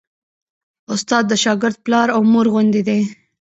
استاد د شاګرد پلار او مور غوندې دی.